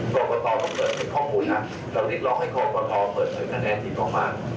โครโกะตอต้องเปิดเป็นข้อมูลนะเราฤดร้องให้โครโกะตอเปิดเปิดคะแนนดีกว่ามาก